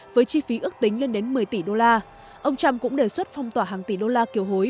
với chi phí ước tính lên đến một mươi tỷ đô la ông trump cũng đề xuất phong tỏa hàng tỷ đô la kiều hối